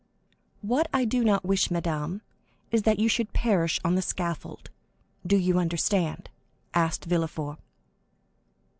50169m "What I do not wish, madame, is that you should perish on the scaffold. Do you understand?" asked Villefort.